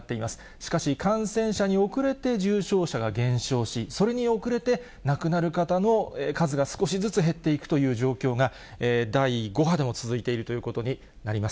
しかし、感染者に遅れて重症者が減少し、それに遅れて、亡くなる方の数が少しずつ減っていくという状況が、第５波でも続いているということになります。